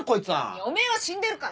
いやおめぇは死んでるから。